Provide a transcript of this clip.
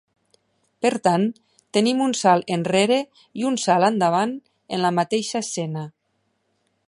Per tant, tenim un salt enrere i un salt endavant en la mateixa escena.